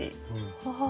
はあ。